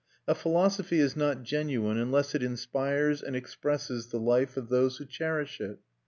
A philosophy is not genuine unless it inspires and expresses the life of those who cherish it.